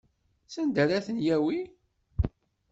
Sanda ara ten-yawi?